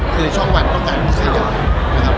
คือช่องวันก็การทุกอย่าง